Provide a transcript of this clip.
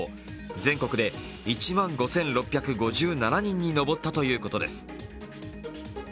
全国で１万５６５７人に上ったということです